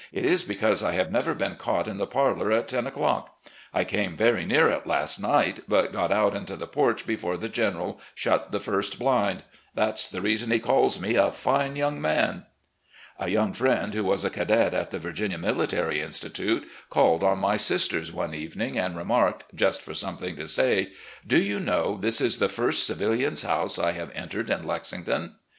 " It is because I have never been caught in the parlour at ten o'clock. I came very near it last night, but got out into the porch before the General shut the first blind. That's the reason he calls me ' a fine young man.' " A young friend who was a cadet at the Virginia Mili tary Institute called on my sisters one evening, and remarked, just for something to say: " Do you know this is the first civilian's house I have entered in Lexington."